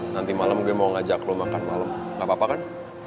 nanti malem gue mau ngajak lo makan malem gapapa kan